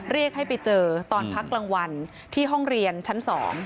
เรียกให้ไปเจอตอนพักกลางวันที่ห้องเรียนชั้น๒